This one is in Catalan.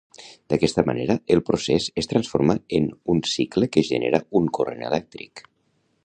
D'aquesta manera el procés es transforma en un cicle que genera un corrent elèctric.